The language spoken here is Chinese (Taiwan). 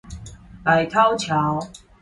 百韜橋